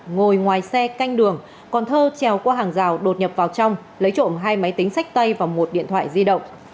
ngồi ngoài xe canh đường còn thơ treo qua hàng rào đột nhập vào trong lấy trộm hai máy tính sách tay và một điện thoại di động